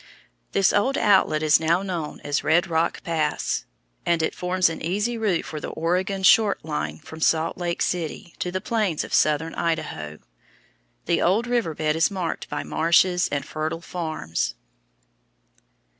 This old outlet is now known as Red Rock Pass, and it forms an easy route for the Oregon Short Line from Salt Lake City to the plains of southern Idaho. The old river bed is marked by marshes and fertile farms.